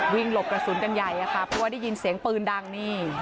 หลบกระสุนกันใหญ่อะค่ะเพราะว่าได้ยินเสียงปืนดังนี่